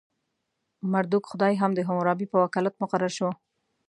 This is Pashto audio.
مردوک خدای هم د حموربي په وکالت مقرر شو.